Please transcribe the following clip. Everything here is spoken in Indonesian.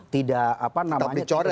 tidak apa namanya